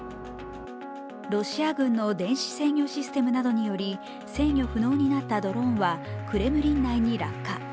ロシア軍の電子制御システムなどにより制御不能になったドローンはクレムリン内に落下。